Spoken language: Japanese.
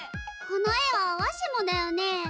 この絵はわしもだよね？